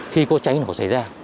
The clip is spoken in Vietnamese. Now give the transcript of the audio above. khi có cháy nổ xảy ra